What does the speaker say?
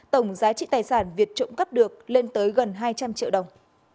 tổng giá trị tài sản việt trộm cắp được lên tới gần hai trăm linh triệu đồng